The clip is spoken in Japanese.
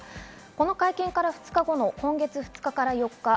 この会見から２日後の今月２日から４日。